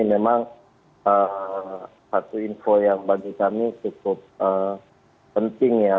memang satu info yang bagi kami cukup penting ya